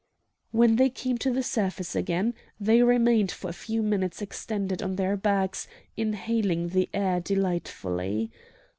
When they came to the surface again, they remained for a few minutes extended on their backs, inhaling the air delightfully.